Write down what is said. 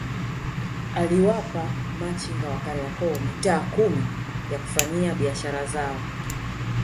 Aliwapa machinga wa Kariakoo mitaa kumi ya kufanyia biashara zao